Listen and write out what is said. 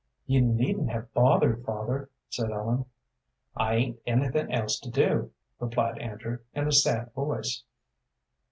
"You needn't have bothered, father," said Ellen. "I 'ain't anything else to do," replied Andrew, in a sad voice.